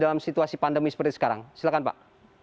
dalam situasi pandemi seperti sekarang silahkan pak